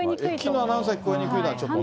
駅のアナウンスが聞こえにくいのはちょっとね。